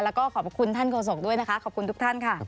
แล้วก็ขอบคุณท่านโฆษกด้วยนะคะขอบคุณทุกท่านค่ะ